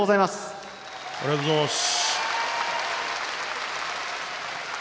ありがとうございます。